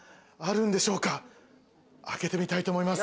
開けてみたいと思います。